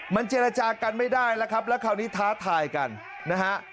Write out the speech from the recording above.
มันเจรจากันไม่ได้แล้วครับแล้วคราวนี้ท้าทายกันนะฮะ